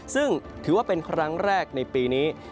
ซึ่งถือว่าเป็นครั้งแรกในปีนี้